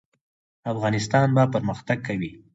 افغانستان به پرمختګ کوي؟